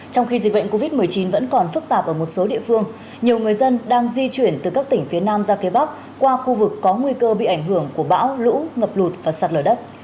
trong khi dịch bệnh covid một mươi chín vẫn còn phức tạp ở một số địa phương nhiều người dân đang di chuyển từ các tỉnh phía nam ra phía bắc qua khu vực có nguy cơ bị ảnh hưởng của bão lũ ngập lụt và sạt lở đất